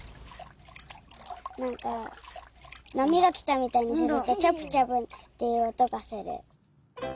なんかなみがきたみたいにするとチャプチャプっていうおとがする。